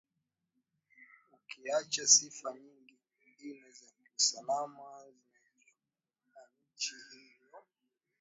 Ukiacha sifa nyingine za kiusalama zinazoizunguka nchi hiyo